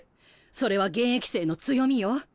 それは現役生の強みよ。